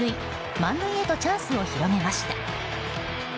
満塁へとチャンスを広げました。